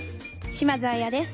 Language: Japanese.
島津亜矢です。